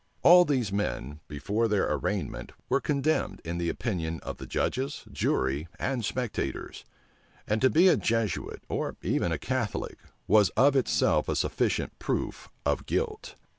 All these men, before their arraignment, were condemned in the opinion of the judges, jury, and spectators; and to be a Jesuit, or even a Catholic, was of itself a sufficient proof of guilt.